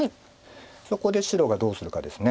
ここで白がどうするかです。